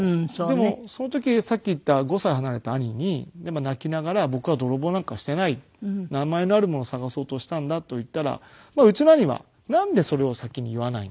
でもその時さっき言った５歳離れた兄に泣きながら「僕は泥棒なんかしていない」「名前のあるものを探そうとしたんだ」と言ったらうちの兄は「なんでそれを先に言わないんだ」と。